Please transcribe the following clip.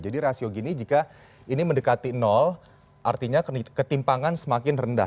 jadi rasio gini jika ini mendekati artinya ketimpangan semakin rendah